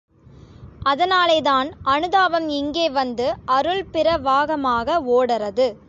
அதனாலேதான் அனுதாபம் இங்கே வந்து அருள் பிரவாகமாக ஓடறது!